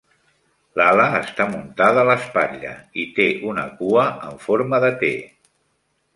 L'ala està muntada a l'espatlla i té una cua en forma de T.